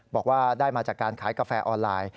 บอกว่าได้มาจากการขายกาแฟออนไลน์